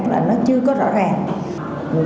là nó chưa có rõ ràng